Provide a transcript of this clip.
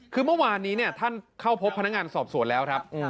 คือเมื่อวานนี้ท่านเข้าพบพนักงานสอบสวนแล้วครับ